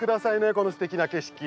このすてきな景色。